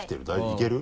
いける？